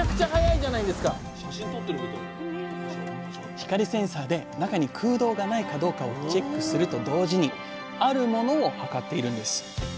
光センサーで中に空洞がないかどうかをチェックすると同時にあるものを測っているんです。